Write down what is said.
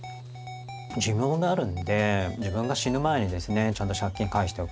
寿命があるんで自分が死ぬ前にですねちゃんと借金返しておかないとですね